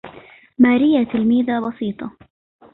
ماريا تلميذة بسيطة.